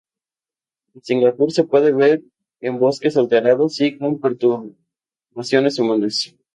En Singapur se puede ver en bosques alterados y con perturbaciones humanas.